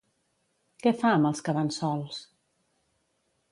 Què fa amb els que van sols?